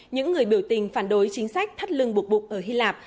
những người biểu tình phản đối chính sách thắt lưng bục bục ở hy lạp